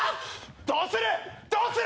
どうするどうする？